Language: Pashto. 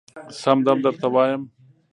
سم دم درته وايم